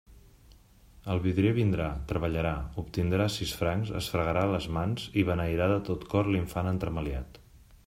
El vidrier vindrà, treballarà, obtindrà sis francs, es fregarà les mans i beneirà de tot cor l'infant entremaliat.